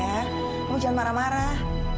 kamu jangan marah marah